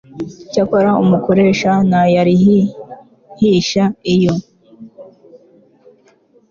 Cyakora umukoresha ntayarihisha iyo